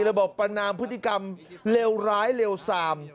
ประนามพฤติกรรมเลวร้ายเลวซาม